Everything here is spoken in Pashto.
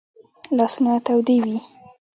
لاسونه تودې وي